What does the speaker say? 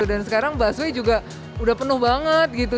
dan sekarang busway juga udah penuh banget gitu